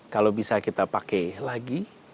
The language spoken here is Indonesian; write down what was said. kalau bisa kita pakai lagi